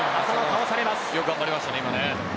よく頑張りましたね、今。